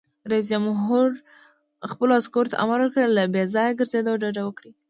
رئیس جمهور خپلو عسکرو ته امر وکړ؛ له بې ځایه ګرځېدو ډډه وکړئ!